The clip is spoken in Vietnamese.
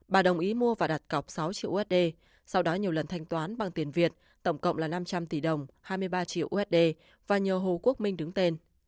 bà đồng ý mua và đặt cọc sáu triệu usd sau đó nhiều lần thanh toán bằng tiền việt tổng cộng là năm trăm linh tỷ đồng hai mươi ba triệu usd và nhờ hồ quốc minh đứng tên